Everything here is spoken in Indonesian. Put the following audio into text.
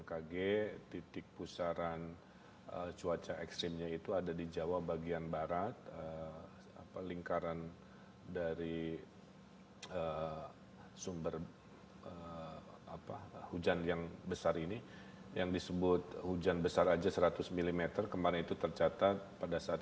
kemudian ini juga sudah di koordinasikan dengan pemerintah pusat